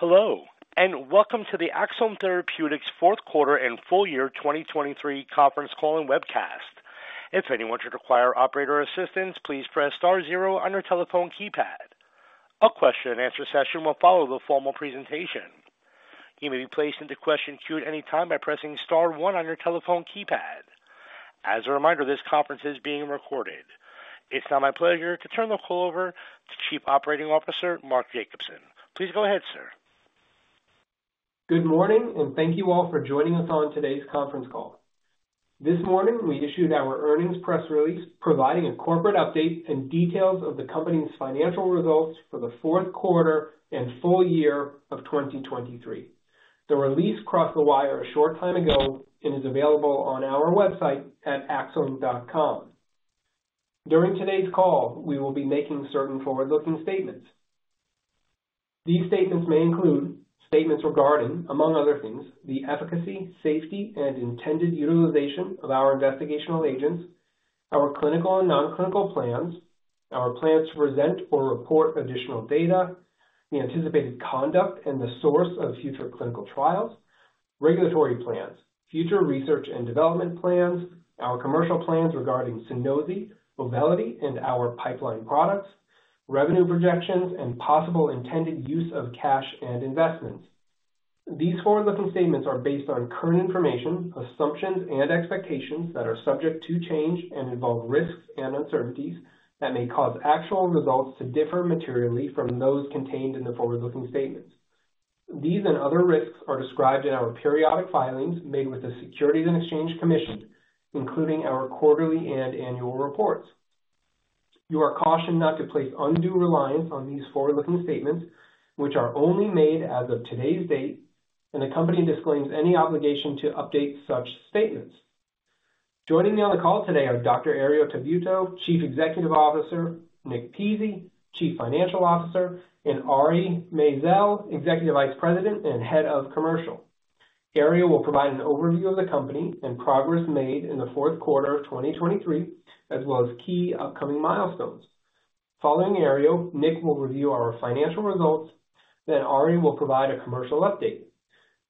Hello, and welcome to the Axsome Therapeutics fourth quarter and full year 2023 conference call and webcast. If anyone should require operator assistance, please press star zero on your telephone keypad. A question and answer session will follow the formal presentation. You may be placed into question queue at any time by pressing star one on your telephone keypad. As a reminder, this conference is being recorded. It's now my pleasure to turn the call over to Chief Operating Officer Mark Jacobson. Please go ahead, sir. Good morning, and thank you all for joining us on today's conference call. This morning we issued our earnings press release providing a corporate update and details of the company's financial results for the fourth quarter and full year of 2023. The release crossed the wire a short time ago and is available on our website at axsome.com. During today's call we will be making certain forward-looking statements. These statements may include statements regarding, among other things, the efficacy, safety, and intended utilization of our investigational agents, our clinical and non-clinical plans, our plans to present or report additional data, the anticipated conduct and the source of future clinical trials, regulatory plans, future research and development plans, our commercial plans regarding Sunosi, Auvelity, and our pipeline products, revenue projections, and possible intended use of cash and investments. These forward-looking statements are based on current information, assumptions, and expectations that are subject to change and involve risks and uncertainties that may cause actual results to differ materially from those contained in the forward-looking statements. These and other risks are described in our periodic filings made with the Securities and Exchange Commission, including our quarterly and annual reports. You are cautioned not to place undue reliance on these forward-looking statements, which are only made as of today's date, and the company disclaims any obligation to update such statements. Joining me on the call today are Dr. Herriot Tabuteau, Chief Executive Officer, Nick Pizzie, Chief Financial Officer, and Ari Maizel, Executive Vice President and Head of Commercial. Ari will provide an overview of the company and progress made in the fourth quarter of 2023 as well as key upcoming milestones. Following Ari, Nick will review our financial results, then Ari will provide a commercial update.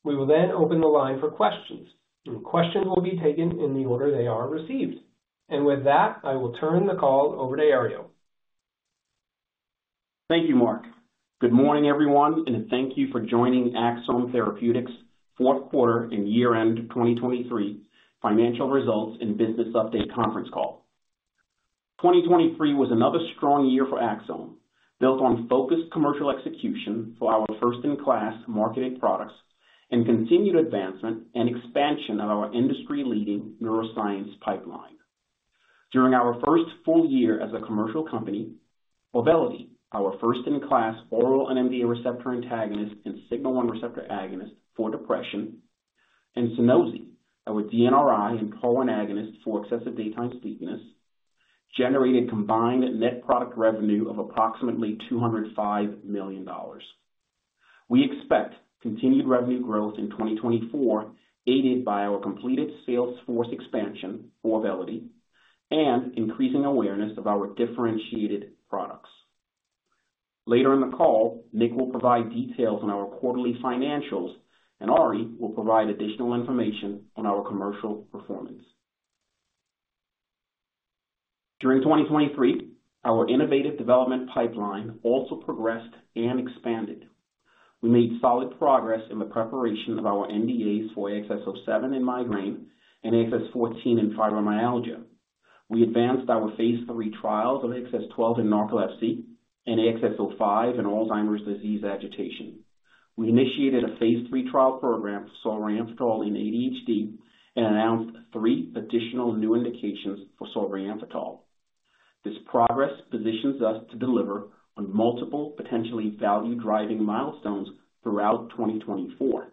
We will then open the line for questions, and questions will be taken in the order they are received. With that, I will turn the call over to Ari. Thank you, Mark. Good morning, everyone, and thank you for joining Axsome Therapeutics fourth quarter and year-end 2023 financial results and business update conference call. 2023 was another strong year for Axsome, built on focused commercial execution for our first-in-class marketed products and continued advancement and expansion of our industry-leading neuroscience pipeline. During our first full year as a commercial company, Auvelity, our first-in-class oral NMDA receptor antagonist and sigma-1 receptor agonist for depression, and Sunosi, our DNRI and TAAR1 agonist for excessive daytime sleepiness, generated combined net product revenue of approximately $205 million. We expect continued revenue growth in 2024 aided by our completed sales force expansion, Auvelity, and increasing awareness of our differentiated products. Later in the call, Nick will provide details on our quarterly financials, and Ari will provide additional information on our commercial performance. During 2023, our innovative development pipeline also progressed and expanded. We made solid progress in the preparation of our NDAs for AXS-07 in migraine and AXS-14 in fibromyalgia. We advanced our phase III trials of AXS-12 in narcolepsy and AXS-05 in Alzheimer's disease agitation. We initiated a phase III trial program for solriamfetol in ADHD and announced three additional new indications for solriamfetol. This progress positions us to deliver on multiple potentially value-driving milestones throughout 2024.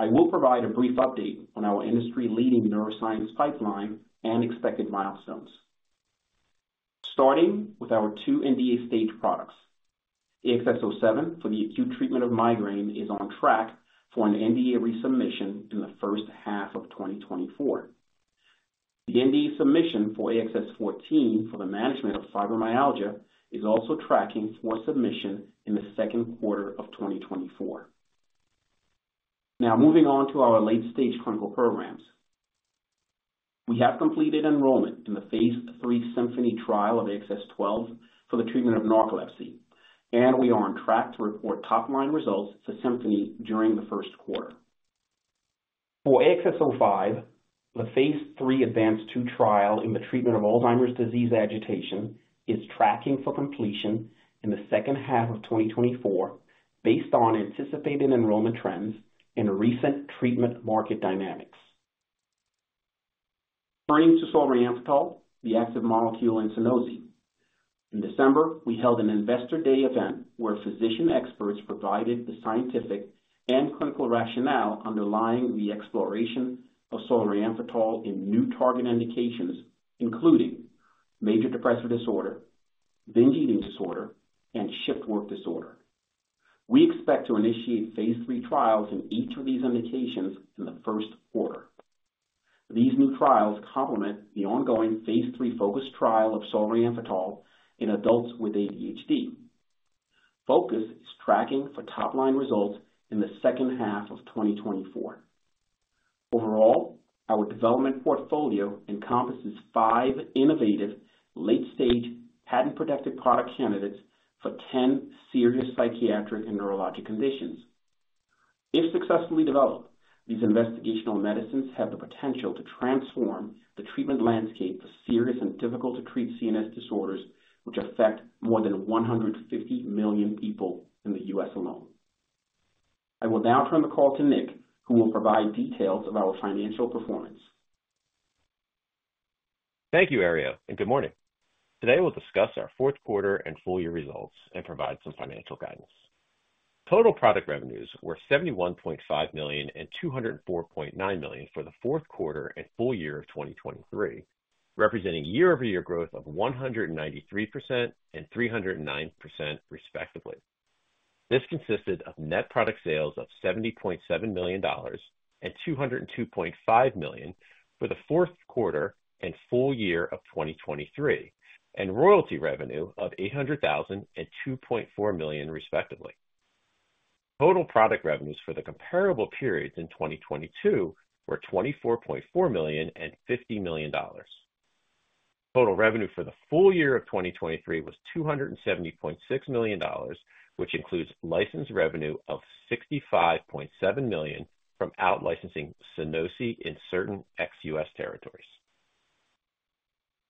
I will provide a brief update on our industry-leading neuroscience pipeline and expected milestones. Starting with our two NDA stage products, AXS-07 for the acute treatment of migraine is on track for an NDA resubmission in the first half of 2024. The NDA submission for AXS-14 for the management of fibromyalgia is also tracking for submission in the second quarter of 2024. Now moving on to our late-stage clinical programs. We have completed enrollment in the phase III SYMPHONY trial of AXS-12 for the treatment of narcolepsy, and we are on track to report top-line results for SYMPHONY during the first quarter. For AXS-05, the phase III ADVANCE-2 trial in the treatment of Alzheimer's disease agitation is tracking for completion in the second half of 2024 based on anticipated enrollment trends and recent treatment market dynamics. Turning to solriamfetol, the active molecule in Sunosi. In December, we held an investor day event where physician experts provided the scientific and clinical rationale underlying the exploration of solriamfetol in new target indications, including major depressive disorder, binge eating disorder, and shift work disorder. We expect to initiate phase III trials in each of these indications in the first quarter. These new trials complement the ongoing phase III FOCUS trial of solriamfetol in adults with ADHD. FOCUS is tracking for top-line results in the second half of 2024. Overall, our development portfolio encompasses five innovative late-stage patent-protected product candidates for 10 serious psychiatric and neurologic conditions. If successfully developed, these investigational medicines have the potential to transform the treatment landscape for serious and difficult-to-treat CNS disorders, which affect more than 150 million people in the U.S. alone. I will now turn the call to Nick, who will provide details of our financial performance. Thank you, Ari, and good morning. Today we'll discuss our fourth quarter and full year results and provide some financial guidance. Total product revenues were $71.5 million and $204.9 million for the fourth quarter and full year of 2023, representing year-over-year growth of 193% and 309%, respectively. This consisted of net product sales of $70.7 million and $202.5 million for the fourth quarter and full year of 2023, and royalty revenue of $800,000 and $2.4 million, respectively. Total product revenues for the comparable periods in 2022 were $24.4 million and $50 million. Total revenue for the full year of 2023 was $270.6 million, which includes license revenue of $65.7 million from outlicensing Sunosi in certain ex-US territories.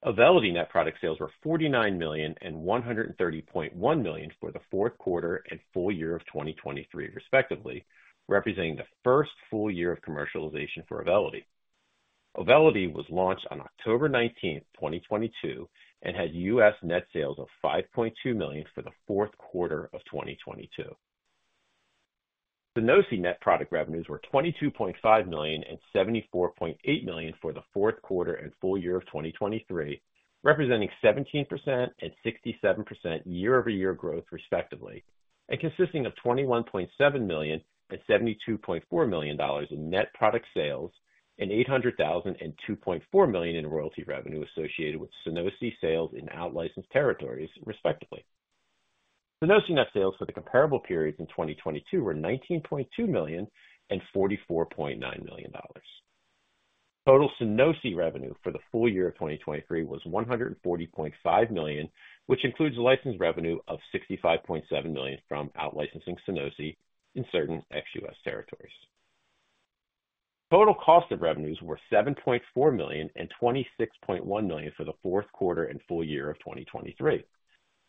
Auvelity net product sales were $49 million and $130.1 million for the fourth quarter and full year of 2023, respectively, representing the first full year of commercialization for Auvelity. Auvelity was launched on October 19th, 2022, and had U.S. net sales of $5.2 million for the fourth quarter of 2022. Sunosi net product revenues were $22.5 million and $74.8 million for the fourth quarter and full year of 2023, representing 17% and 67% year-over-year growth, respectively, and consisting of $21.7 million and $72.4 million in net product sales and $800,000 and $2.4 million in royalty revenue associated with Sunosi sales in outlicensed territories, respectively. Sunosi net sales for the comparable periods in 2022 were $19.2 million and $44.9 million. Total Sunosi revenue for the full year of 2023 was $140.5 million, which includes license revenue of $65.7 million from outlicensing Sunosi in certain ex-U.S. territories. Total cost of revenues were $7.4 million and $26.1 million for the fourth quarter and full year of 2023.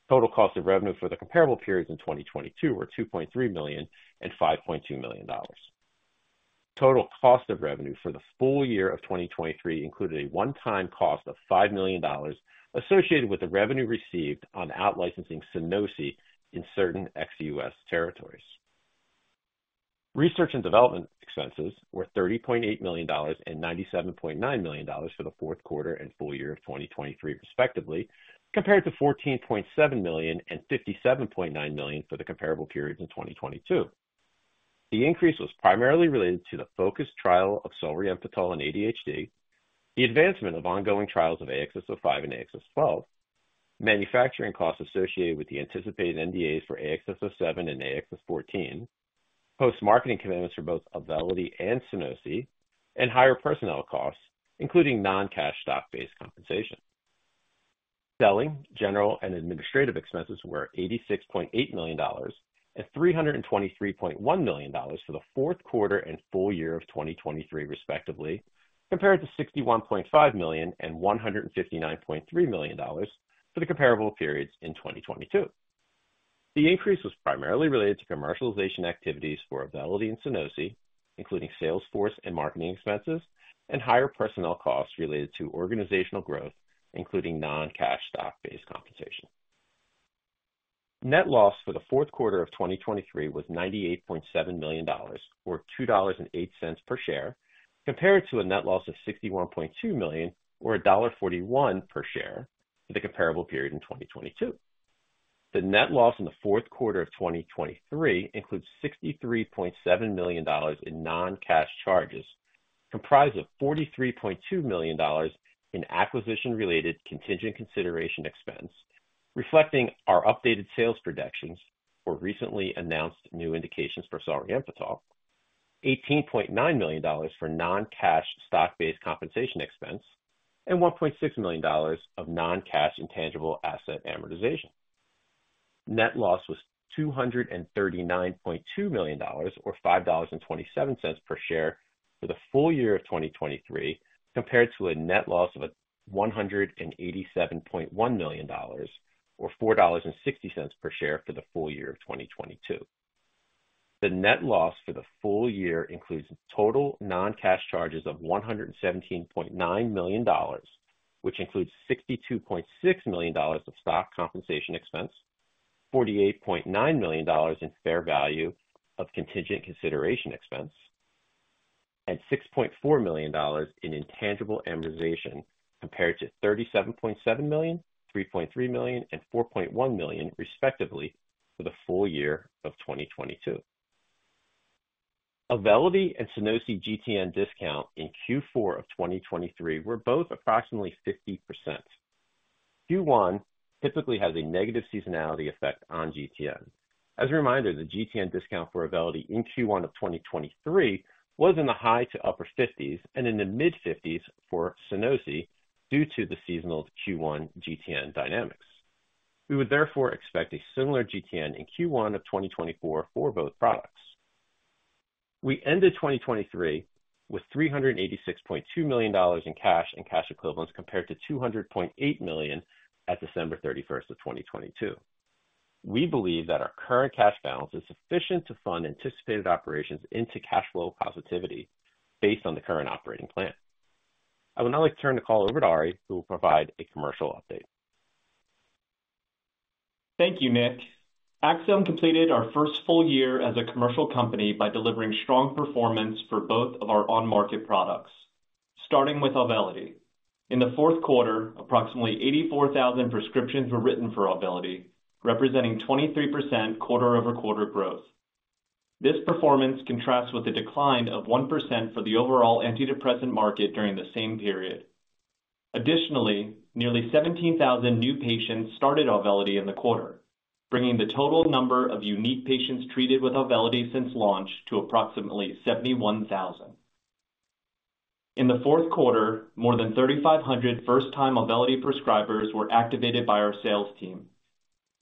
Total cost of revenue for the comparable periods in 2022 were $2.3 million and $5.2 million. Total cost of revenue for the full year of 2023 included a one-time cost of $5 million associated with the revenue received on outlicensing Sunosi in certain ex-U.S. territories. Research and development expenses were $30.8 million and $97.9 million for the fourth quarter and full year of 2023, respectively, compared to $14.7 million and $57.9 million for the comparable periods in 2022. The increase was primarily related to the FOCUS trial of solriamfetol in ADHD, the advancement of ongoing trials of AXS-05 and AXS-12, manufacturing costs associated with the anticipated NDAs for AXS-07 and AXS-14, post-marketing commitments for both Auvelity and Sunosi, and higher personnel costs, including non-cash stock-based compensation. Selling, general, and administrative expenses were $86.8 million and $323.1 million for the fourth quarter and full year of 2023, respectively, compared to $61.5 million and $159.3 million for the comparable periods in 2022. The increase was primarily related to commercialization activities for Auvelity and Sunosi, including sales force and marketing expenses, and higher personnel costs related to organizational growth, including non-cash stock-based compensation. Net loss for the fourth quarter of 2023 was $98.7 million or $2.08 per share, compared to a net loss of $61.2 million or $1.41 per share for the comparable period in 2022. The net loss in the fourth quarter of 2023 includes $63.7 million in non-cash charges, comprised of $43.2 million in acquisition-related contingent consideration expense, reflecting our updated sales projections for recently announced new indications for solriamfetol, $18.9 million for non-cash stock-based compensation expense, and $1.6 million of non-cash intangible asset amortization. Net loss was $239.2 million or $5.27 per share for the full year of 2023, compared to a net loss of $187.1 million or $4.60 per share for the full year of 2022. The net loss for the full year includes total non-cash charges of $117.9 million, which includes $62.6 million of stock compensation expense, $48.9 million in fair value of contingent consideration expense, and $6.4 million in intangible amortization, compared to $37.7 million, $3.3 million, and $4.1 million, respectively, for the full year of 2022. Auvelity and Sunosi GTN discount in Q4 of 2023 were both approximately 50%. Q1 typically has a negative seasonality effect on GTN. As a reminder, the GTN discount for Auvelity in Q1 of 2023 was in the high to upper 50s% and in the mid-50s% for Sunosi due to the seasonal Q1 GTN dynamics. We would therefore expect a similar GTN in Q1 of 2024 for both products. We ended 2023 with $386.2 million in cash and cash equivalents compared to $200.8 million at December 31st of 2022. We believe that our current cash balance is sufficient to fund anticipated operations into cash flow positivity based on the current operating plan. I would now like to turn the call over to Ari, who will provide a commercial update. Thank you, Nick. Axsome completed our first full year as a commercial company by delivering strong performance for both of our on-market products. Starting with Auvelity, in the fourth quarter, approximately 84,000 prescriptions were written for Auvelity, representing 23% quarter-over-quarter growth. This performance contrasts with a decline of 1% for the overall antidepressant market during the same period. Additionally, nearly 17,000 new patients started Auvelity in the quarter, bringing the total number of unique patients treated with Auvelity since launch to approximately 71,000. In the fourth quarter, more than 3,500 first-time Auvelity prescribers were activated by our sales team,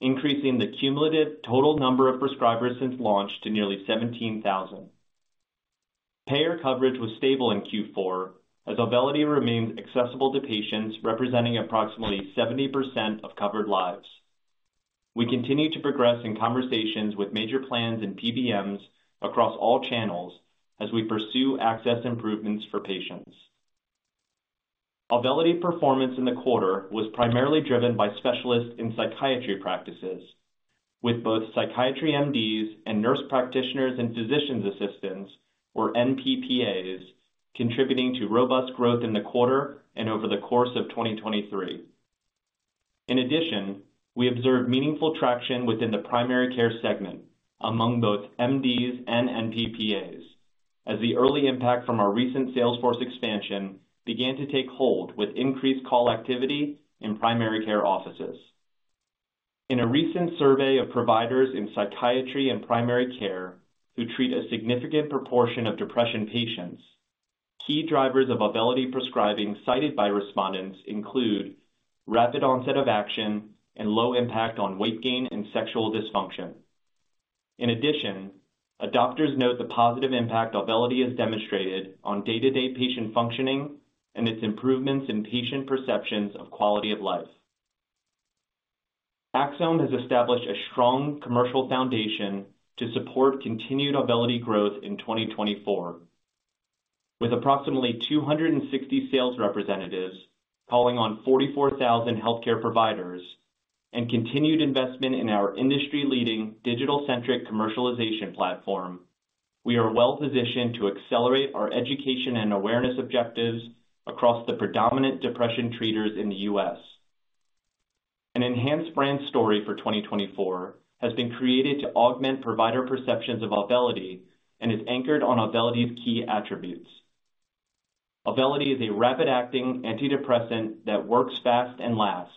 increasing the cumulative total number of prescribers since launch to nearly 17,000. Payer coverage was stable in Q4, as Auvelity remains accessible to patients, representing approximately 70% of covered lives. We continue to progress in conversations with major plans and PBMs across all channels as we pursue access improvements for patients. Auvelity performance in the quarter was primarily driven by specialists in psychiatry practices, with both psychiatry MDs and nurse practitioners and physician assistants, or NPPAs, contributing to robust growth in the quarter and over the course of 2023. In addition, we observed meaningful traction within the primary care segment among both MDs and NPPAs, as the early impact from our recent sales force expansion began to take hold with increased call activity in primary care offices. In a recent survey of providers in psychiatry and primary care who treat a significant proportion of depression patients, key drivers of Auvelity prescribing cited by respondents include rapid onset of action and low impact on weight gain and sexual dysfunction. In addition, adopters note the positive impact Auvelity has demonstrated on day-to-day patient functioning and its improvements in patient perceptions of quality of life. Axsome has established a strong commercial foundation to support continued Auvelity growth in 2024. With approximately 260 sales representatives calling on 44,000 healthcare providers and continued investment in our industry-leading digital-centric commercialization platform, we are well-positioned to accelerate our education and awareness objectives across the predominant depression treaters in the U.S. An enhanced brand story for 2024 has been created to augment provider perceptions of Auvelity and is anchored on Auvelity's key attributes. Auvelity is a rapid-acting antidepressant that works fast and lasts,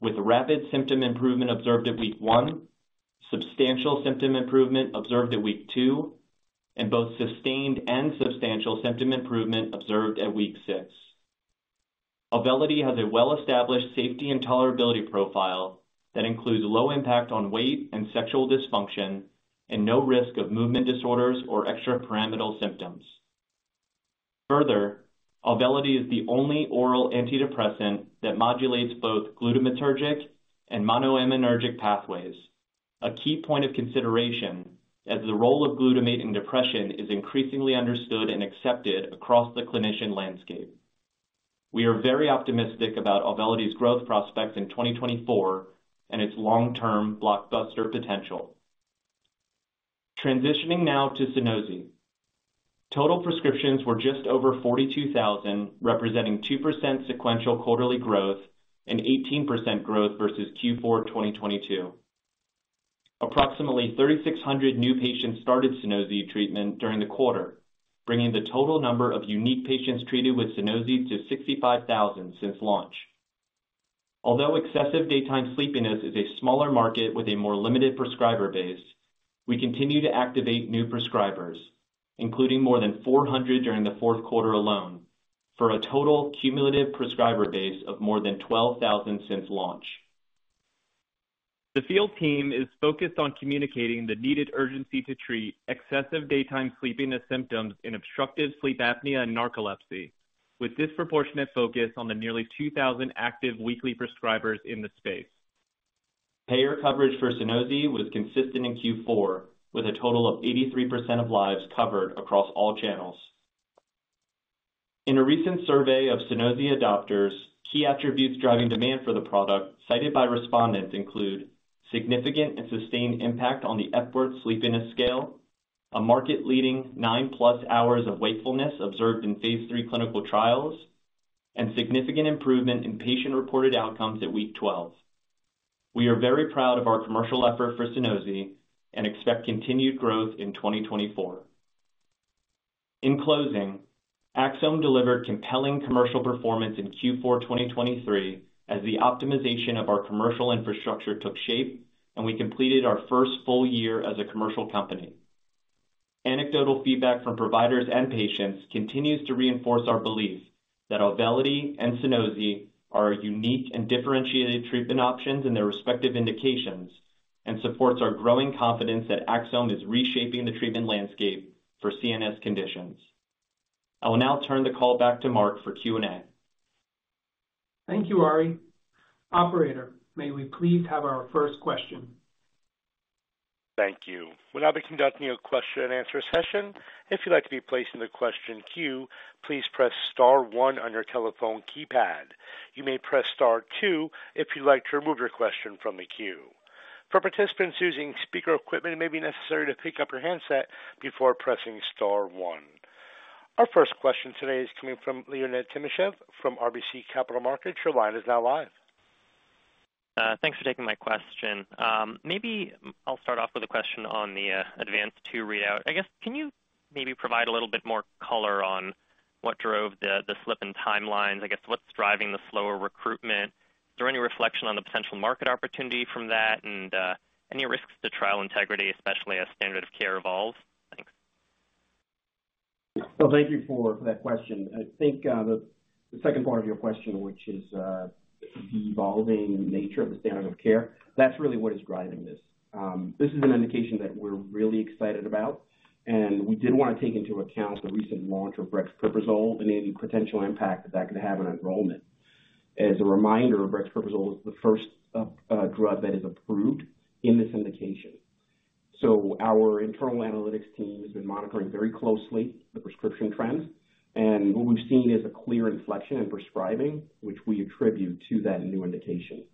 with rapid symptom improvement observed at week one, substantial symptom improvement observed at week two, and both sustained and substantial symptom improvement observed at week six. Auvelity has a well-established safety and tolerability profile that includes low impact on weight and sexual dysfunction and no risk of movement disorders or extrapyramidal symptoms. Further, Auvelity is the only oral antidepressant that modulates both glutamatergic and monoaminergic pathways, a key point of consideration as the role of glutamate in depression is increasingly understood and accepted across the clinician landscape. We are very optimistic about Auvelity's growth prospects in 2024 and its long-term blockbuster potential. Transitioning now to Sunosi. Total prescriptions were just over 42,000, representing 2% sequential quarterly growth and 18% growth versus Q4 2022. Approximately 3,600 new patients started Sunosi treatment during the quarter, bringing the total number of unique patients treated with Sunosi to 65,000 since launch. Although excessive daytime sleepiness is a smaller market with a more limited prescriber base, we continue to activate new prescribers, including more than 400 during the fourth quarter alone, for a total cumulative prescriber base of more than 12,000 since launch. The field team is focused on communicating the needed urgency to treat excessive daytime sleepiness symptoms in obstructive sleep apnea and narcolepsy, with disproportionate focus on the nearly 2,000 active weekly prescribers in the space. Payer coverage for Sunosi was consistent in Q4, with a total of 83% of lives covered across all channels. In a recent survey of Sunosi adopters, key attributes driving demand for the product cited by respondents include significant and sustained impact on the Epworth Sleepiness Scale, a market-leading 9+ hours of wakefulness observed in phase III clinical trials, and significant improvement in patient-reported outcomes at week 12. We are very proud of our commercial effort for Sunosi and expect continued growth in 2024. In closing, Axsome delivered compelling commercial performance in Q4 2023 as the optimization of our commercial infrastructure took shape, and we completed our first full year as a commercial company. Anecdotal feedback from providers and patients continues to reinforce our belief that Auvelity and Sunosi are unique and differentiated treatment options in their respective indications and supports our growing confidence that Axsome is reshaping the treatment landscape for CNS conditions. I will now turn the call back to Marc for Q&A. Thank you, Ari. Operator, may we please have our first question? Thank you. We'll now be conducting a question-and-answer session. If you'd like to be placed in the question queue, please press star one on your telephone keypad. You may press star two if you'd like to remove your question from the queue. For participants using speaker equipment, it may be necessary to pick up your handset before pressing star one. Our first question today is coming from Leonid Timashev from RBC Capital Markets. Your line is now live. Thanks for taking my question. Maybe I'll start off with a question on the ADVANCE-2 readout. I guess, can you maybe provide a little bit more color on what drove the slip in timelines? I guess, what's driving the slower recruitment? Is there any reflection on the potential market opportunity from that and any risks to trial integrity, especially as standard of care evolves? Thanks. Well, thank you for that question. I think the second part of your question, which is the evolving nature of the standard of care, that's really what is driving this. This is an indication that we're really excited about, and we did want to take into account the recent launch of brexpiprazole and any potential impact that that could have on enrollment. As a reminder, brexpiprazole is the first drug that is approved in this indication. So our internal analytics team has been monitoring very closely the prescription trends, and what we've seen is a clear inflection in prescribing, which we attribute to that new indication.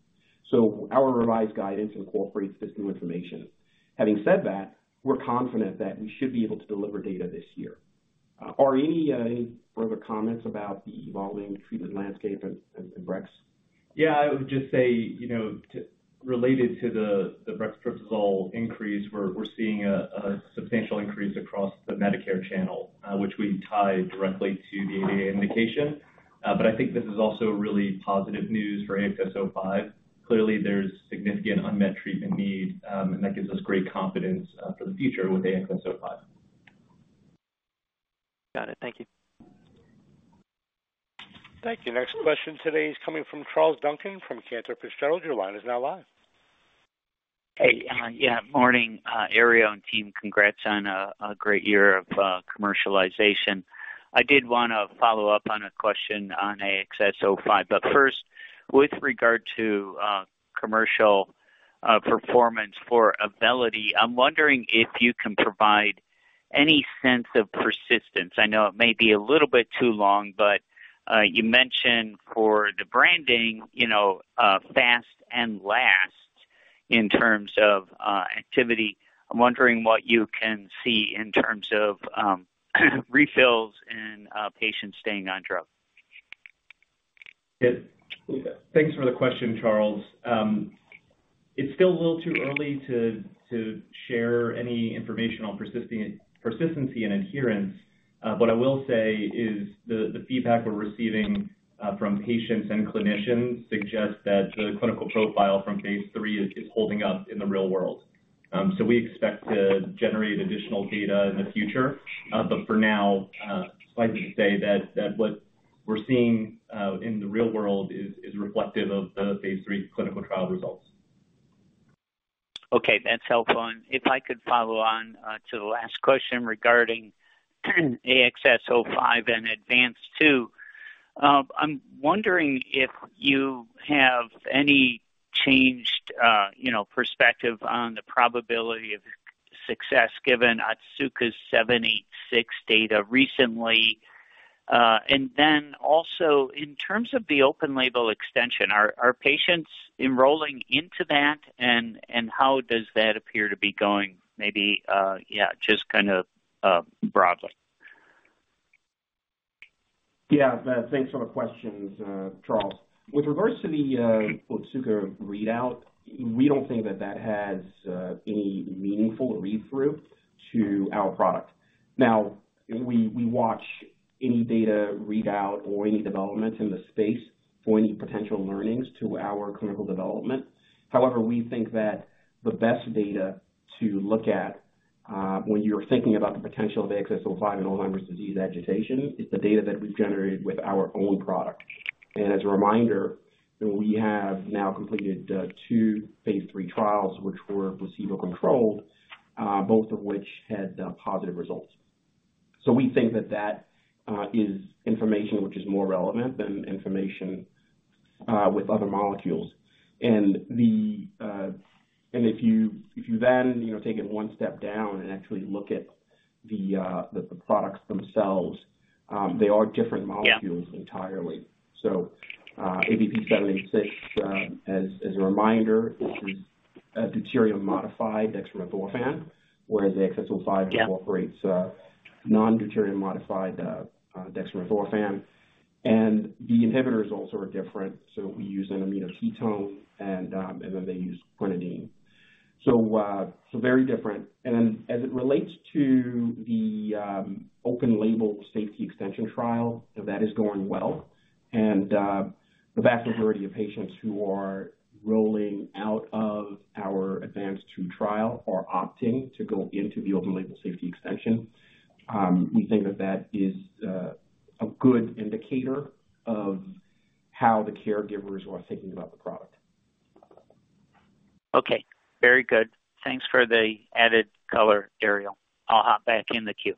So our revised guidance incorporates this new information. Having said that, we're confident that we should be able to deliver data this year. Ari, any further comments about the evolving treatment landscape and Brex? Yeah, I would just say, related to the brexpiprazole increase, we're seeing a substantial increase across the Medicare channel, which we tie directly to the ADA indication. I think this is also really positive news for AXS-05. Clearly, there's significant unmet treatment need, and that gives us great confidence for the future with AXS-05. Got it. Thank you. Thank you. Next question today is coming from Charles Duncan from Cantor Fitzgerald. Your line is now live. Hey. Yeah, morning, Ari and team. Congrats on a great year of commercialization. I did want to follow up on a question on AXS-05, but first, with regard to commercial performance for Auvelity, I'm wondering if you can provide any sense of persistence. I know it may be a little bit too long, but you mentioned for the branding, fast and last in terms of activity. I'm wondering what you can see in terms of refills and patients staying on drug. Yeah. Thanks for the question, Charles. It's still a little too early to share any information on persistency and adherence, but what I will say is the feedback we're receiving from patients and clinicians suggests that the clinical profile from phase III is holding up in the real world. So we expect to generate additional data in the future, but for now, it's fine to say that what we're seeing in the real world is reflective of the phase III clinical trial results. Okay. That's helpful. And if I could follow on to the last question regarding AXS-05 and ADVANCE-2, I'm wondering if you have any changed perspective on the probability of success given Otsuka's AVP-786 data recently. And then also, in terms of the open-label extension, are patients enrolling into that, and how does that appear to be going? Maybe, yeah, just kind of broadly. Yeah. Thanks for the questions, Charles. With regards to the Otsuka readout, we don't think that that has any meaningful read-through to our product. Now, we watch any data readout or any developments in the space for any potential learnings to our clinical development. However, we think that the best data to look at when you're thinking about the potential of AXS-05 and Alzheimer's disease agitation is the data that we've generated with our own product. And as a reminder, we have now completed two phase III trials, which were placebo-controlled, both of which had positive results. So we think that that is information which is more relevant than information with other molecules. And if you then take it one step down and actually look at the products themselves, they are different molecules entirely. So AVP-786, as a reminder, this is a deuterium-modified dextromethorphan, whereas AXS-05 incorporates non-deuterium-modified dextromethorphan. And the inhibitors also are different. So we use an amino ketone, and then they use quinidine. So very different. And then as it relates to the open-label safety extension trial, that is going well. And the vast majority of patients who are rolling out of our ADVANCE-2 trial are opting to go into the open-label safety extension. We think that that is a good indicator of how the caregivers are thinking about the product. Okay. Very good. Thanks for the added color, Ari. I'll hop back in the queue.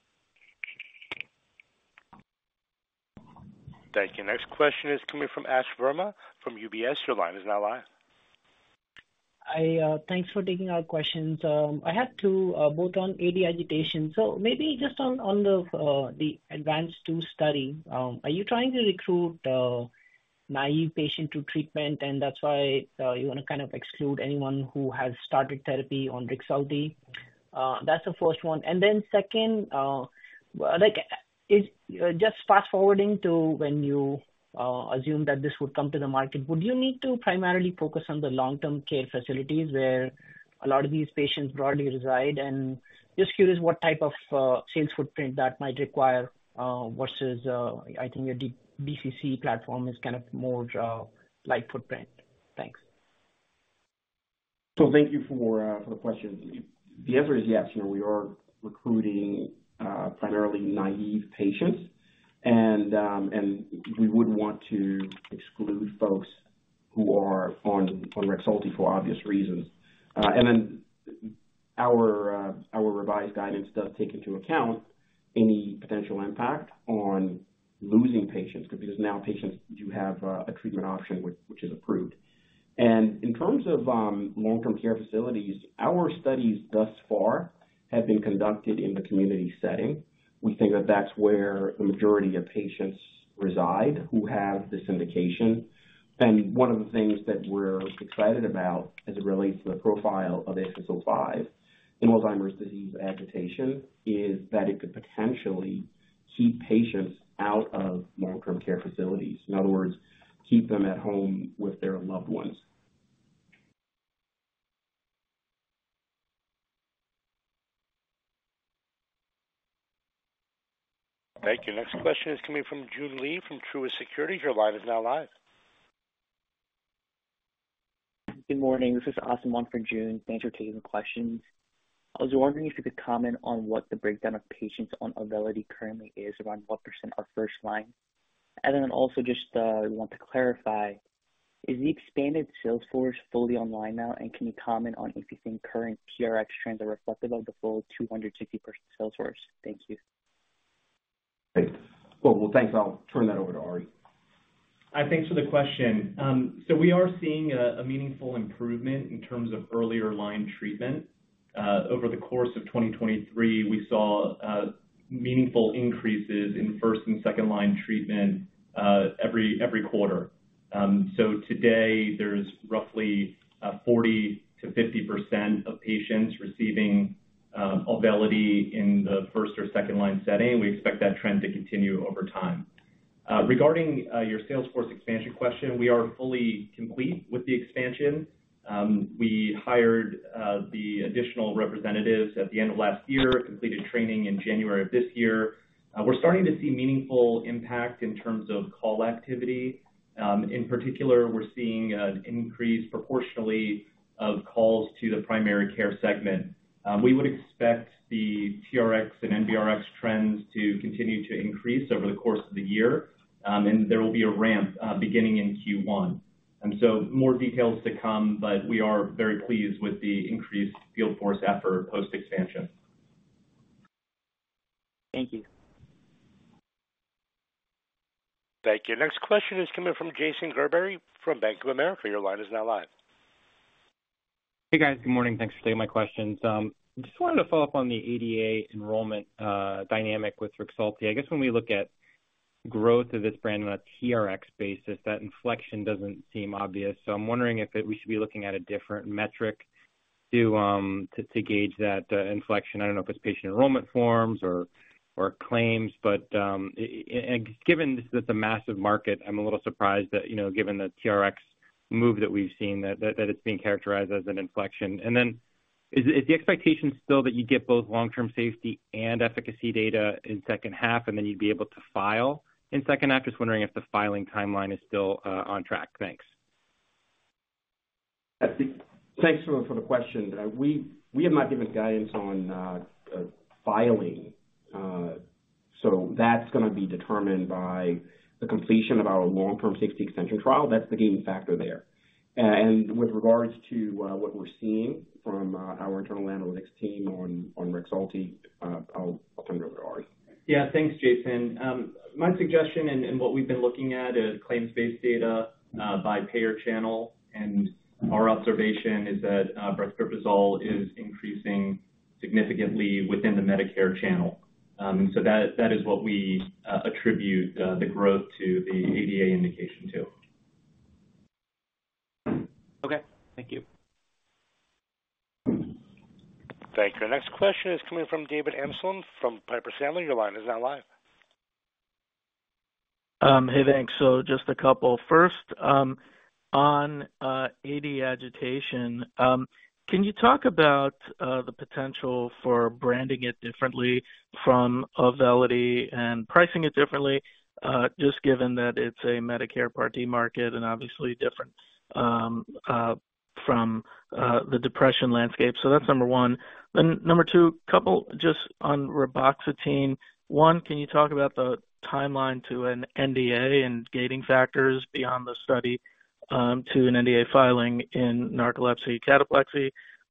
Thank you. Next question is coming from Ashwani Verma from UBS. Your line is now live. Thanks for taking our questions. I had two, both on AD agitation. So maybe just on the ADVANCE-2 study, are you trying to recruit naive patients to treatment, and that's why you want to kind of exclude anyone who has started therapy on Rexulti? That's the first one. And then second, just fast-forwarding to when you assume that this would come to the market, would you need to primarily focus on the long-term care facilities where a lot of these patients broadly reside? And just curious what type of sales footprint that might require versus, I think, your BCC platform is kind of more light footprint. Thanks. So thank you for the question. The answer is yes. We are recruiting primarily naive patients, and we would want to exclude folks who are on Rexulti for obvious reasons. Then our revised guidance does take into account any potential impact on losing patients because now patients do have a treatment option which is approved. In terms of long-term care facilities, our studies thus far have been conducted in the community setting. We think that that's where the majority of patients reside who have this indication. One of the things that we're excited about as it relates to the profile of AXS-05 in Alzheimer's disease agitation is that it could potentially keep patients out of long-term care facilities. In other words, keep them at home with their loved ones. Thank you. Next question is coming from Joon Lee from Truist Securities. Your line is now live. Good morning. This is Jason Gerberry from BofA. Thanks for taking the questions. I was wondering if you could comment on what the breakdown of patients on Auvelity currently is around what % are first-line? And then also just want to clarify, is the expanded sales force fully online now, and can you comment on if you think current Rx trends are reflective of the full 260-person sales force? Thank you. Great. Cool. Well, thanks. I'll turn that over to Ari. Hi. Thanks for the question. So we are seeing a meaningful improvement in terms of earlier-line treatment. Over the course of 2023, we saw meaningful increases in first- and second-line treatment every quarter. So today, there's roughly 40%-50% of patients receiving Auvelity in the first- or second-line setting. We expect that trend to continue over time. Regarding your sales force expansion question, we are fully complete with the expansion. We hired the additional representatives at the end of last year, completed training in January of this year. We're starting to see meaningful impact in terms of call activity. In particular, we're seeing an increase proportionally of calls to the primary care segment. We would expect the TRx and NRx trends to continue to increase over the course of the year, and there will be a ramp beginning in Q1. More details to come, but we are very pleased with the increased field force effort post-expansion. Thank you. Thank you. Next question is coming from Jason Gerberry from Bank of America. Your line is now live. Hey, guys. Good morning. Thanks for taking my questions. Just wanted to follow up on the ADA enrollment dynamic with Rexulti. I guess when we look at growth of this brand on a PRX basis, that inflection doesn't seem obvious. So I'm wondering if we should be looking at a different metric to gauge that inflection. I don't know if it's patient enrollment forms or claims, but given that it's a massive market, I'm a little surprised that given the PRX move that we've seen, that it's being characterized as an inflection. And then is the expectation still that you get both long-term safety and efficacy data in second half, and then you'd be able to file in second half? Just wondering if the filing timeline is still on track. Thanks. Thanks for the question. We have not given guidance on filing, so that's going to be determined by the completion of our long-term safety extension trial. That's the game factor there. And with regards to what we're seeing from our internal analytics team on Rexulti, I'll turn it over to Ari. Yeah. Thanks, Jason. My suggestion and what we've been looking at is claims-based data by payer channel. And our observation is that Brexpiprazole is increasing significantly within the Medicare channel. And so that is what we attribute the growth to the ADA indication to. Okay. Thank you. Thank you. Next question is coming from David Amsellem from Piper Sandler. Your line is now live. Hey, thanks. So just a couple. First, on AD agitation, can you talk about the potential for branding it differently from Auvelity and pricing it differently, just given that it's a Medicare Part D market and obviously different from the depression landscape? So that's number one. Then number two, just on reboxetine, one, can you talk about the timeline to an NDA and gating factors beyond the study to an NDA filing in narcolepsy/cataplexy?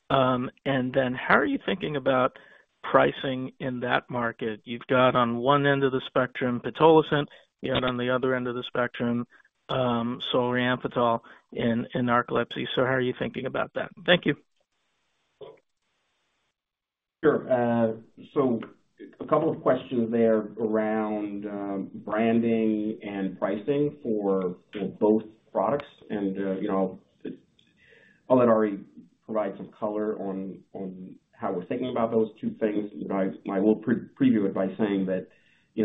And then how are you thinking about pricing in that market? You've got on one end of the spectrum pitolisant. You've got on the other end of the spectrum solriamfetol in narcolepsy. So how are you thinking about that? Thank you. Sure. So a couple of questions there around branding and pricing for both products. And I'll let Ari provide some color on how we're thinking about those two things. I will preview it by saying that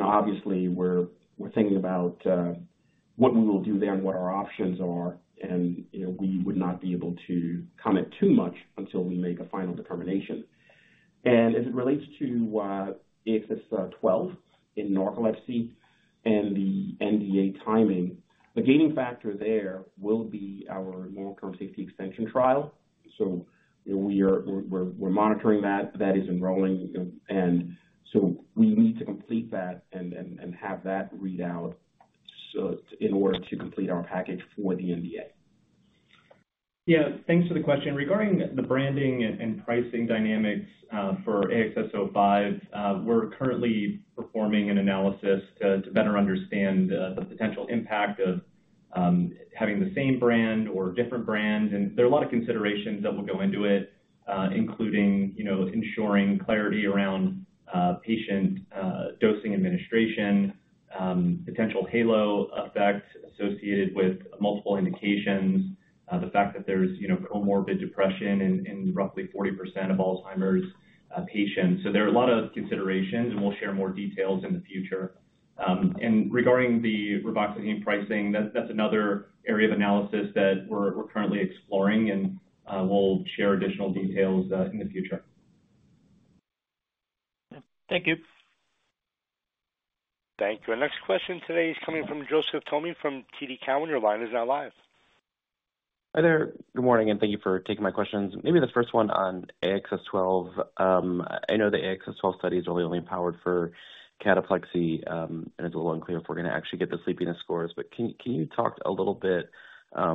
obviously, we're thinking about what we will do there and what our options are, and we would not be able to comment too much until we make a final determination. As it relates to AXS-12 in narcolepsy and the NDA timing, the gating factor there will be our long-term safety extension trial. So we're monitoring that. That is enrolling. So we need to complete that and have that readout in order to complete our package for the NDA. Yeah. Thanks for the question. Regarding the branding and pricing dynamics for AXS-05, we're currently performing an analysis to better understand the potential impact of having the same brand or different brand. There are a lot of considerations that will go into it, including ensuring clarity around patient dosing administration, potential halo effect associated with multiple indications, the fact that there's comorbid depression in roughly 40% of Alzheimer's patients. There are a lot of considerations, and we'll share more details in the future. Regarding the reboxetine pricing, that's another area of analysis that we're currently exploring, and we'll share additional details in the future. Thank you. Thank you. And next question today is coming from Joseph Thome from TD Cowen. Your line is now live. Hi there. Good morning, and thank you for taking my questions. Maybe the first one on AXS-12. I know the AXS-12 study is really only empowered for cataplexy, and it's a little unclear if we're going to actually get the sleepiness scores. But can you talk a little bit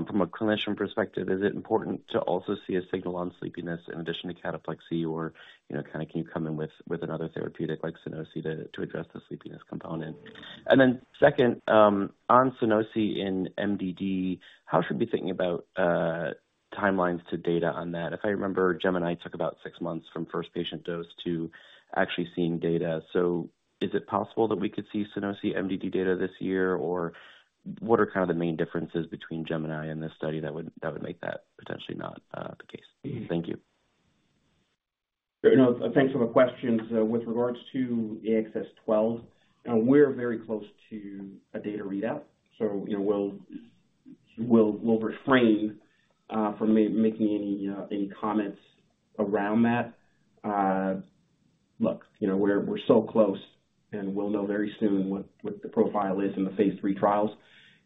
from a clinician perspective? Is it important to also see a signal on sleepiness in addition to cataplexy, or kind of can you come in with another therapeutic like Sunosi to address the sleepiness component? And then second, on Sunosi in MDD, how should we be thinking about timelines to data on that? If I remember, GEMINI took about six months from first-patient dose to actually seeing data. So is it possible that we could see Sunosi MDD data this year, or what are kind of the main differences between GEMINI and this study that would make that potentially not the case? Thank you. Thanks for the questions. With regards to AXS-12, we're very close to a data readout. So we'll refrain from making any comments around that. Look, we're so close, and we'll know very soon what the profile is in the phase III trials.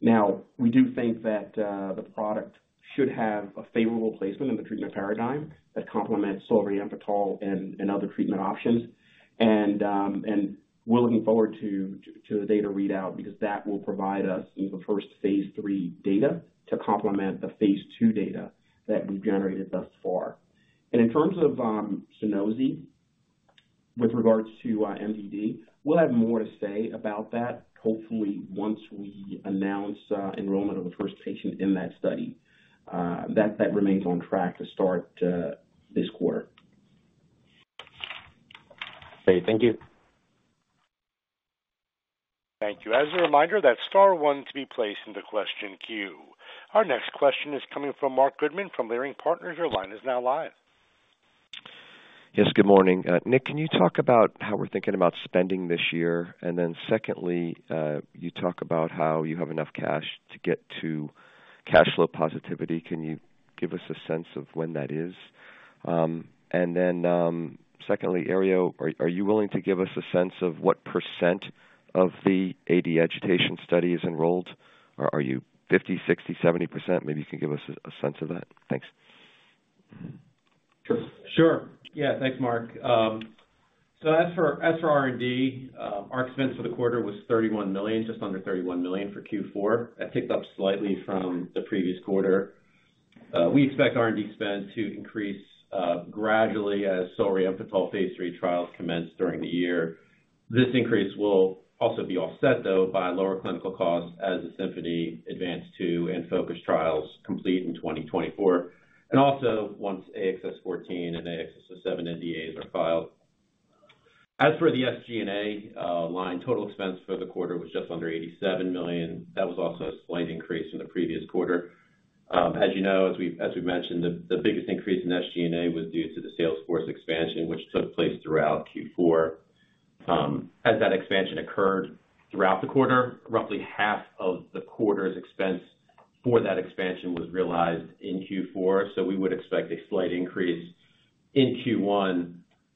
Now, we do think that the product should have a favorable placement in the treatment paradigm that complements solriamfetol and other treatment options. And we're looking forward to the data readout because that will provide us the first phase III data to complement the phase II data that we've generated thus far. And in terms of Sunosi, with regards to MDD, we'll have more to say about that, hopefully, once we announce enrollment of the first patient in that study. That remains on track to start this quarter. Great. Thank you. Thank you. As a reminder, that's star one to be placed in the question queue. Our next question is coming from Marc Goodman from Leerink Partners. Your line is now live. Yes. Good morning. Nick, can you talk about how we're thinking about spending this year? And then secondly, you talk about how you have enough cash to get to cash flow positivity. Can you give us a sense of when that is? And then secondly, Ario, are you willing to give us a sense of what percent of the AD agitation study is enrolled? Are you 50%, 60%, 70%? Maybe you can give us a sense of that. Thanks. Sure. Yeah. Thanks, Mark. So as for R&D, our expense for the quarter was $31 million, just under $31 million for Q4. That picked up slightly from the previous quarter. We expect R&D spend to increase gradually as solriamfetol phase III trials commence during the year. This increase will also be offset, though, by lower clinical costs as the SYMPHONY, ADVANCE-2, and FOCUS trials complete in 2024 and also once AXS-14 and AXS-07 NDAs are filed. As for the SG&A line, total expense for the quarter was just under $87 million. That was also a slight increase from the previous quarter. As you know, as we've mentioned, the biggest increase in SG&A was due to the sales force expansion, which took place throughout Q4. As that expansion occurred throughout the quarter, roughly half of the quarter's expense for that expansion was realized in Q4. So we would expect a slight increase in Q1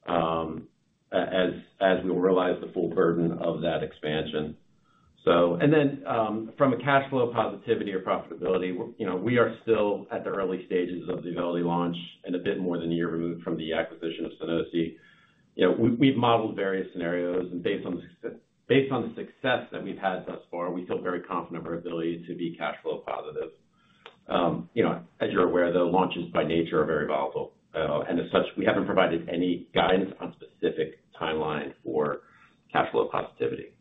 as we will realize the full burden of that expansion. And then from a cash flow positivity or profitability, we are still at the early stages of the Auvelity launch and a bit more than a year removed from the acquisition of Sunosi. We've modeled various scenarios, and based on the success that we've had thus far, we feel very confident in our ability to be cash flow positive. As you're aware, though, launches by nature are very volatile. And as such, we haven't provided any guidance on a specific timeline for cash flow positivity.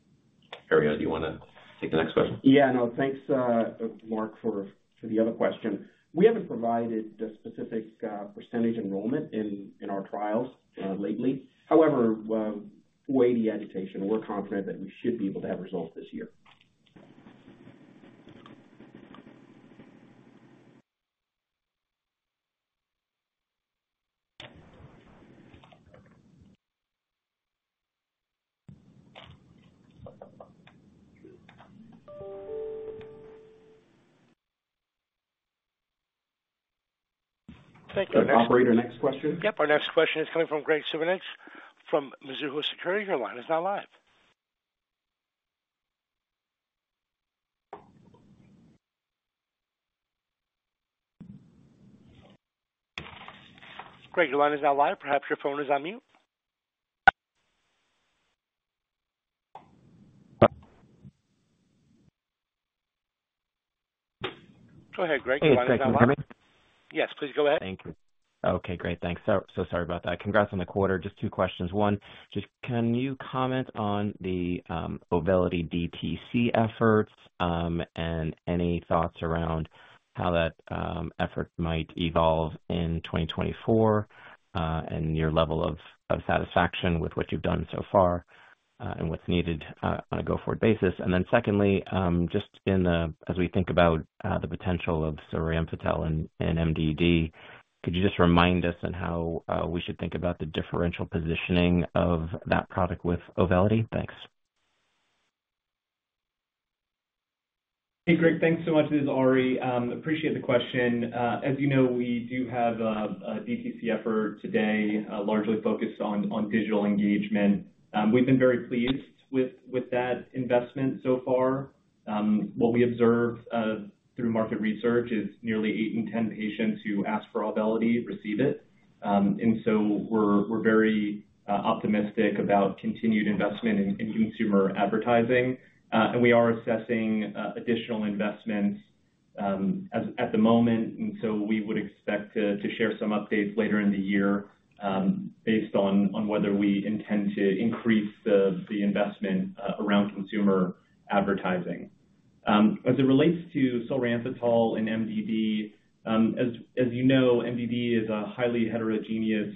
Ario, do you want to take the next question? Yeah. No. Thanks, Marc, for the other question. We haven't provided a specific percentage enrollment in our trials lately. However, for AD agitation, we're confident that we should be able to have results this year. Thank you. Our next question. Yep. Our next question is coming from Graig Suvannavejh from Mizuho Securities. Your line is now live. Greg, your line is now live. Perhaps your phone is on mute. Go ahead, Greg. Your line is now live. Hey, thank you for coming. Yes. Please go ahead. Thank you. Okay. Great. Thanks. So sorry about that. Congrats on the quarter. Just two questions. One, just can you comment on the Auvelity DTC efforts and any thoughts around how that effort might evolve in 2024 and your level of satisfaction with what you've done so far and what's needed on a go-forward basis? And then secondly, just as we think about the potential of solriamfetol in MDD, could you just remind us on how we should think about the differential positioning of that product with Auvelity? Thanks. Hey, Greg. Thanks so much. This is Ari. Appreciate the question. As you know, we do have a DTC effort today largely focused on digital engagement. We've been very pleased with that investment so far. What we observe through market research is nearly eight in 10 patients who ask for Auvelity receive it. And so we're very optimistic about continued investment in consumer advertising. And we are assessing additional investments at the moment. And so we would expect to share some updates later in the year based on whether we intend to increase the investment around consumer advertising. As it relates to solriamfetol in MDD, as you know, MDD is a highly heterogeneous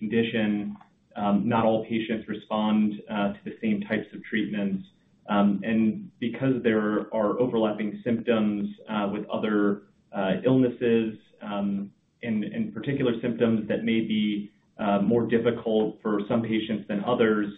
condition. Not all patients respond to the same types of treatments. And because there are overlapping symptoms with other illnesses and particular symptoms that may be more difficult for some patients than others,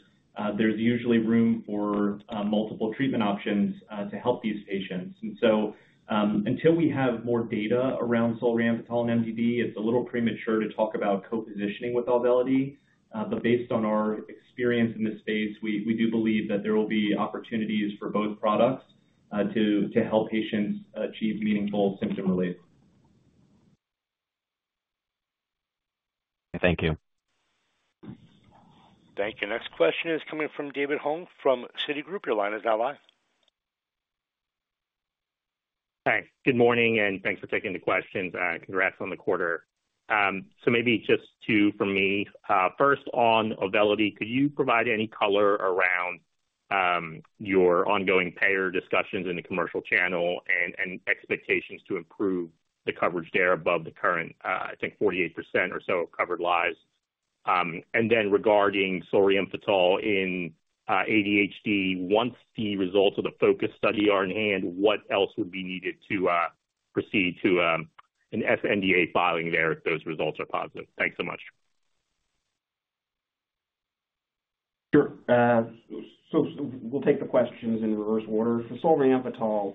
there's usually room for multiple treatment options to help these patients. And so until we have more data around solriamfetol and MDD, it's a little premature to talk about co-positioning with Auvelity. But based on our experience in this space, we do believe that there will be opportunities for both products to help patients achieve meaningful symptom relief. Thank you. Thank you. Next question is coming from David Hoang from Citigroup. Your line is now live. Hi. Good morning, and thanks for taking the questions. Congrats on the quarter. So maybe just two from me. First, on Auvelity, could you provide any color around your ongoing payer discussions in the commercial channel and expectations to improve the coverage there above the current, I think, 48% or so of covered lives? And then regarding solriamfetol in ADHD, once the results of the FOCUS study are in hand, what else would be needed to proceed to an NDA filing there if those results are positive? Thanks so much. Sure. So we'll take the questions in reverse order. For solriamfetol,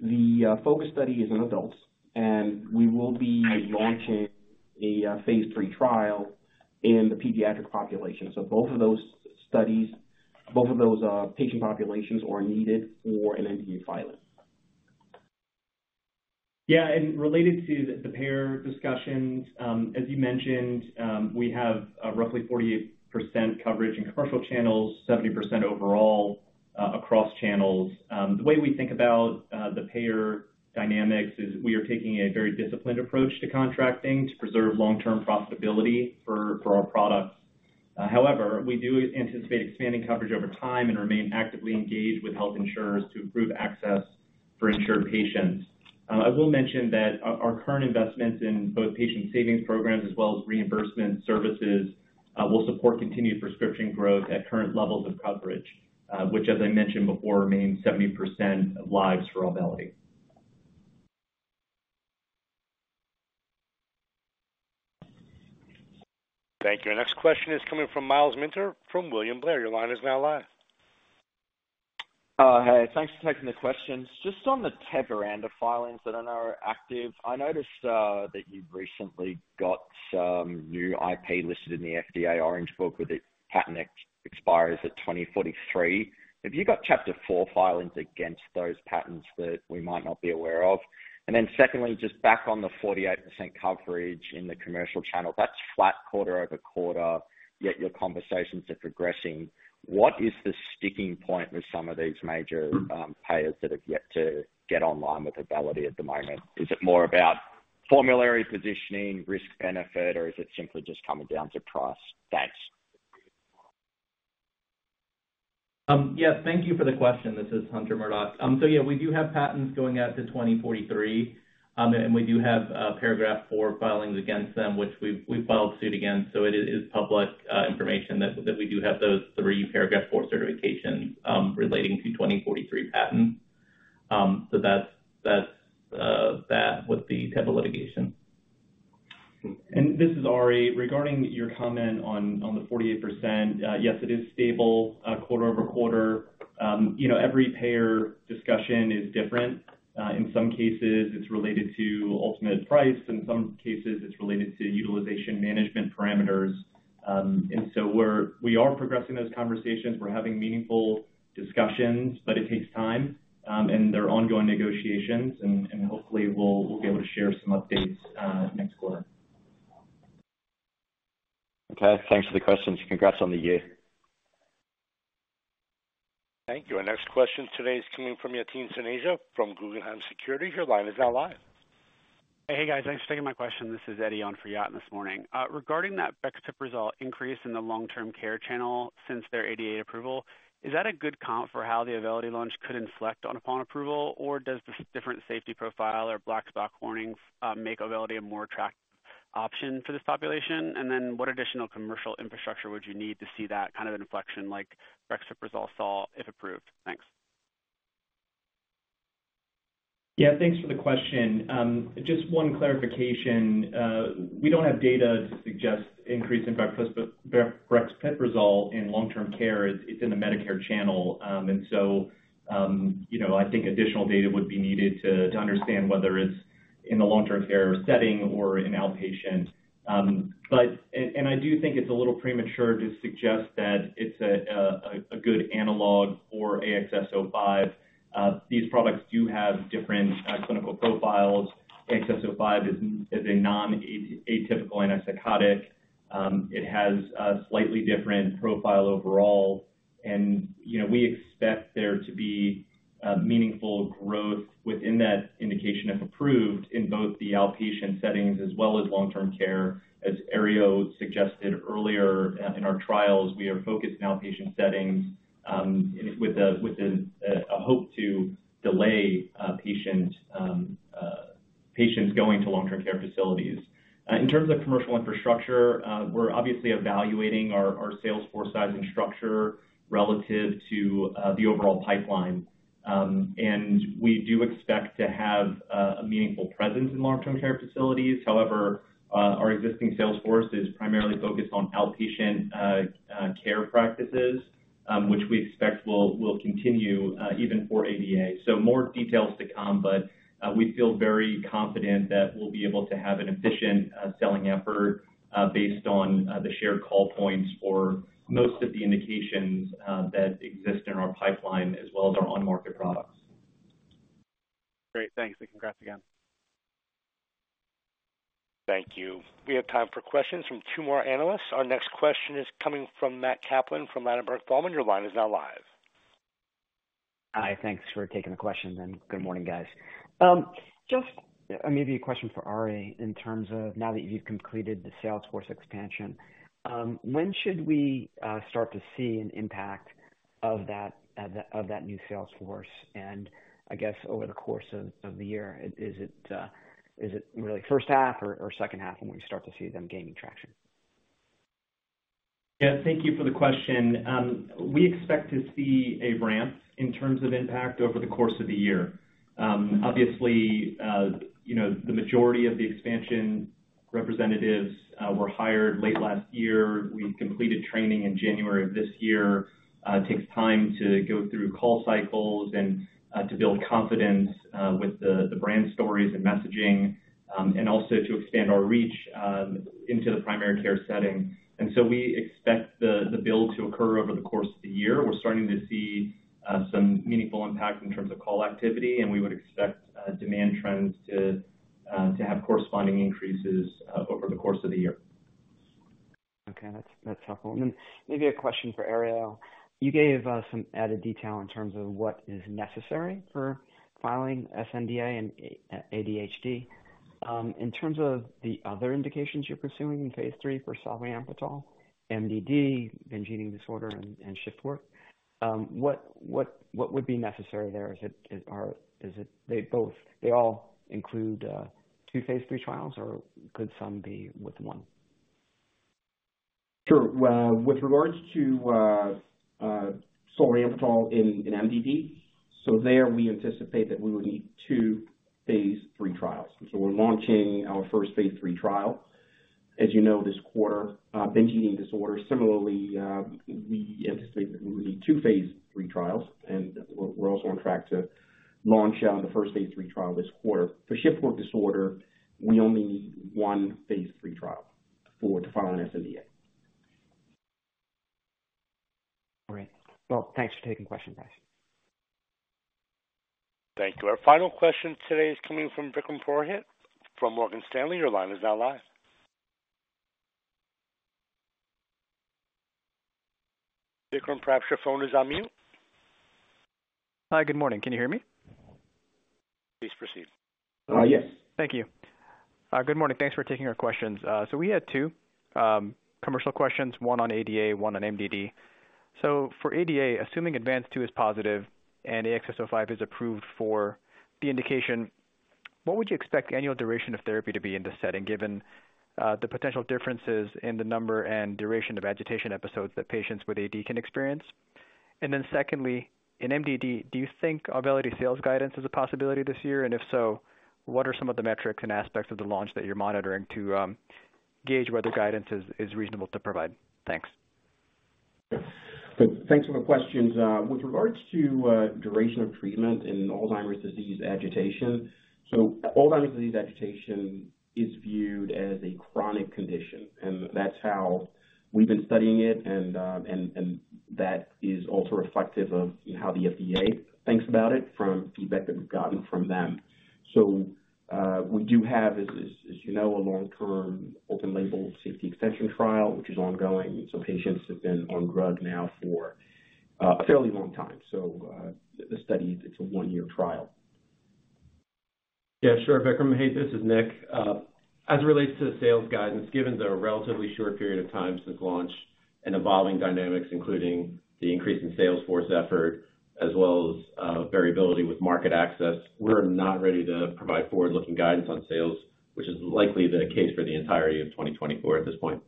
the FOCUS study is in adults, and we will be launching a phase III trial in the pediatric population. So both of those studies both of those patient populations are needed for an NDA filing. Yeah. Related to the payer discussions, as you mentioned, we have roughly 48% coverage in commercial channels, 70% overall across channels. The way we think about the payer dynamics is we are taking a very disciplined approach to contracting to preserve long-term profitability for our products. However, we do anticipate expanding coverage over time and remain actively engaged with health insurers to improve access for insured patients. I will mention that our current investments in both patient savings programs as well as reimbursement services will support continued prescription growth at current levels of coverage, which, as I mentioned before, remains 70% of lives for Auvelity. Thank you. Next question is coming from Myles Minter from William Blair. Your line is now live. Hey. Thanks for taking the questions. Just on the Teva ANDA filings that are now active, I noticed that you've recently got some new IP listed in the FDA Orange Book, but the patent expires at 2043. Have you got Paragraph IV filings against those patents that we might not be aware of? And then secondly, just back on the 48% coverage in the commercial channel, that's flat quarter-over-quarter, yet your conversations are progressing. What is the sticking point with some of these major payers that have yet to get online with Auvelity at the moment? Is it more about formulary positioning, risk-benefit, or is it simply just coming down to price? Thanks. Yeah. Thank you for the question. This is Hunter Murdock. So yeah, we do have patents going out to 2043, and we do have paragraph four filings against them, which we've filed suit against. So it is public information that we do have those three paragraph four certifications relating to 2043 patents. So that's that with the Teva litigation. This is Ari. Regarding your comment on the 48%, yes, it is stable quarter-over-quarter. Every payer discussion is different. In some cases, it's related to ultimate price. In some cases, it's related to utilization management parameters. So we are progressing those conversations. We're having meaningful discussions, but it takes time, and they're ongoing negotiations. Hopefully, we'll be able to share some updates next quarter. Okay. Thanks for the questions. Congrats on the year. Thank you. Next question today is coming from Yatin Suneja from Guggenheim Securities. Your line is now live. Hey, guys. Thanks for taking my question. This is Eddie on Fayyatten this morning. Regarding that brexpiprazole increase in the long-term care channel since their ADA approval, is that a good count for how the Auvelity launch could inflect upon approval, or does the different safety profile or black box warnings make Auvelity a more attractive option for this population? And then what additional commercial infrastructure would you need to see that kind of inflection like brexpiprazole saw if approved? Thanks. Yeah. Thanks for the question. Just one clarification. We don't have data to suggest an increase in brexpiprazole in long-term care. It's in the Medicare channel. And so I think additional data would be needed to understand whether it's in the long-term care setting or in outpatient. And I do think it's a little premature to suggest that it's a good analog for AXS-05. These products do have different clinical profiles. AXS-05 is a non-atypical antipsychotic. It has a slightly different profile overall. And we expect there to be meaningful growth within that indication if approved in both the outpatient settings as well as long-term care. As Ario suggested earlier in our trials, we are focused in outpatient settings with a hope to delay patients going to long-term care facilities. In terms of commercial infrastructure, we're obviously evaluating our sales force size and structure relative to the overall pipeline. We do expect to have a meaningful presence in long-term care facilities. However, our existing sales force is primarily focused on outpatient care practices, which we expect will continue even for ADA. More details to come, but we feel very confident that we'll be able to have an efficient selling effort based on the shared call points for most of the indications that exist in our pipeline as well as our on-market products. Great. Thanks. Congrats again. Thank you. We have time for questions from two more analysts. Our next question is coming from Matt Kaplan from Ladenburg Thalmann. Your line is now live. Hi. Thanks for taking the question, then. Good morning, guys. I may have a question for Ari in terms of now that you've completed the sales force expansion, when should we start to see an impact of that new sales force? And I guess over the course of the year, is it really first half or second half when we start to see them gaining traction? Yeah. Thank you for the question. We expect to see a ramp in terms of impact over the course of the year. Obviously, the majority of the expansion representatives were hired late last year. We completed training in January of this year. It takes time to go through call cycles and to build confidence with the brand stories and messaging and also to expand our reach into the primary care setting. And so we expect the build to occur over the course of the year. We're starting to see some meaningful impact in terms of call activity, and we would expect demand trends to have corresponding increases over the course of the year. Okay. That's helpful. And then maybe a question for Ario. You gave some added detail in terms of what is necessary for filing sNDA and ADHD. In terms of the other indications you're pursuing in phase 3 for solriamfetol, MDD, Binge Eating Disorder, and Shift Work Disorder, what would be necessary there? They all include two phase III trials, or could some be with 1? Sure. With regards to solriamfetol in MDD, so there we anticipate that we would need two phase III trials. So we're launching our first phase III trial, as you know, this quarter. Binge Eating Disorder, similarly, we anticipate that we would need two phase III trials. And we're also on track to launch the first phase III trial this quarter. For Shift Work Disorder, we only need one phase III trial to file an sNDA. Great. Well, thanks for taking questions, guys. Thank you. Our final question today is coming from Vikram Purohit from Morgan Stanley. Your line is now live. Vikram, perhaps your phone is on mute. Hi. Good morning. Can you hear me? Please proceed. Yes. Thank you. Good morning. Thanks for taking our questions. So we had two commercial questions, one on ADA, one on MDD. So for ADA, assuming ADVANCE-2 is positive and AXS-05 is approved for the indication, what would you expect the annual duration of therapy to be in this setting given the potential differences in the number and duration of agitation episodes that patients with AD can experience? And then secondly, in MDD, do you think Auvelity sales guidance is a possibility this year? And if so, what are some of the metrics and aspects of the launch that you're monitoring to gauge whether guidance is reasonable to provide? Thanks. Thanks for the questions. With regards to duration of treatment in Alzheimer's Disease Agitation, Alzheimer's Disease Agitation is viewed as a chronic condition, and that's how we've been studying it. That is also reflective of how the FDA thinks about it from feedback that we've gotten from them. We do have, as you know, a long-term open-label safety extension trial, which is ongoing. Patients have been on drug now for a fairly long time. The study, it's a one-year trial. Yeah. Sure. Vikram, hey. This is Nick. As it relates to the sales guidance, given the relatively short period of time since launch and evolving dynamics, including the increase in sales force effort as well as variability with market access, we're not ready to provide forward-looking guidance on sales, which is likely the case for the entirety of 2024 at this point.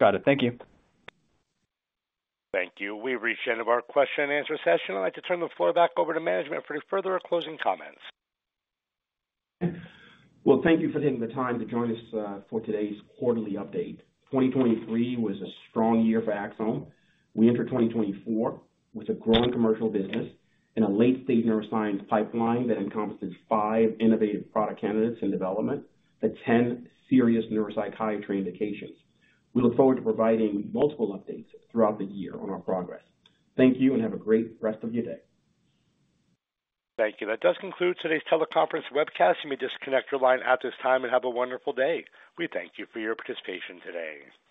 Got it. Thank you. Thank you. We've reached the end of our question-and-answer session. I'd like to turn the floor back over to management for any further or closing comments. Well, thank you for taking the time to join us for today's quarterly update. 2023 was a strong year for Axsome. We entered 2024 with a growing commercial business and a late-stage neuroscience pipeline that encompasses five innovative product candidates in development to 10 serious neuropsychiatry indications. We look forward to providing multiple updates throughout the year on our progress. Thank you, and have a great rest of your day. Thank you. That does conclude today's teleconference webcast. You may disconnect your line at this time and have a wonderful day. We thank you for your participation today.